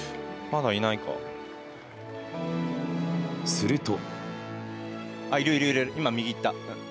すると。